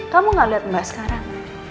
kamu gak lihat mbak sekarang